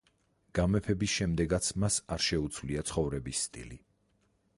გამეფების შემდეგაც მას არ შეუცვლია ცხოვრების სტილი.